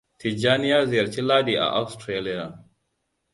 Tijjani ya ziyarci Ladi a Ausatralia.